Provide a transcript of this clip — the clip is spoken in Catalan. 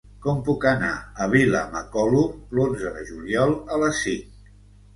Com puc anar a Vilamacolum l'onze de juliol a les cinc?